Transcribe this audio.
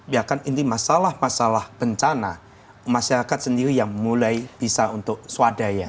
biarkan ini masalah masalah bencana masyarakat sendiri yang mulai bisa untuk swadaya